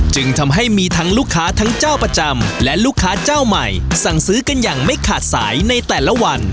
จึงทำให้มีทั้งลูกค้าทั้งเจ้าประจำและลูกค้าเจ้าใหม่สั่งซื้อกันอย่างไม่ขาดสายในแต่ละวัน